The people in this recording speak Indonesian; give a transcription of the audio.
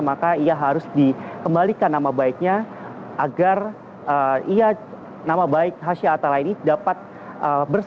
maka ia harus dikembalikan nama baiknya agar iya nama baik hasha atala ini dapat bersama dengan tim penyidik sebelumnya